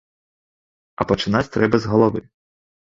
А пачынаць трэба з галавы.